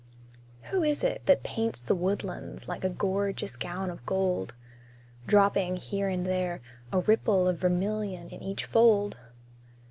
Who is it that paints the woodlands Like a gorgeous gown of gold; Dropping, here and there, a ripple Of vermilion in each fold?